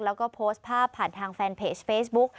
แล้วก็โพสต์ภาพผ่านทางแฟนเพจเฟซบุ๊ก